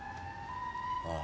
ああ。